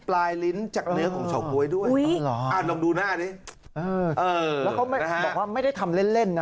แล้วเขาบอกว่าไม่ได้ทำเล่นนะ